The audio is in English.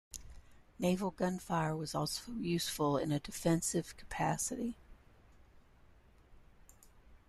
Naval gunfire was also useful in a defensive capacity.